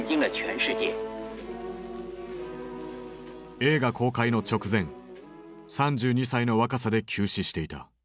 映画公開の直前３２歳の若さで急死していた。